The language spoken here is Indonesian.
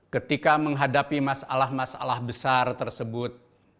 ketika menghadapi masalah masalah besar tersebut